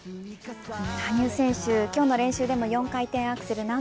羽生選手、今日の練習でも４回転アクセル